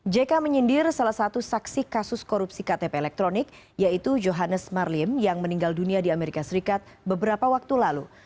jk menyindir salah satu saksi kasus korupsi ktp elektronik yaitu johannes marlim yang meninggal dunia di amerika serikat beberapa waktu lalu